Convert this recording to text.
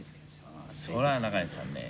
それは中西さんね